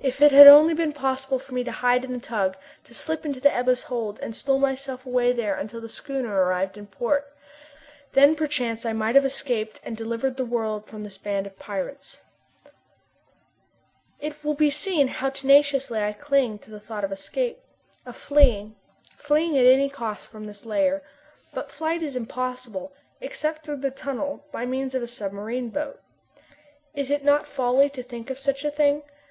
if it had only been possible for me to hide in the tug, to slip into the Ebba's hold, and stow myself away there until the schooner arrived in port! Then perchance I might have escaped and delivered the world from this band of pirates. It will be seen how tenaciously I cling to the thought of escape of fleeing fleeing at any cost from this lair. But flight is impossible, except through the tunnel, by means of a submarine boat. Is it not folly to think of such a thing?